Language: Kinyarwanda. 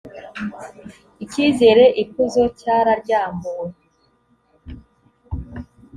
icyigeze ikuzo cyararyambuwe